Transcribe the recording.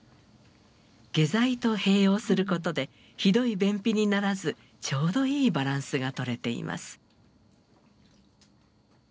下剤と併用することでひどい便秘にならずちょうどいいバランスが取れています。